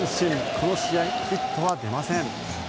この試合、ヒットは出ません。